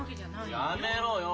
やめろよ。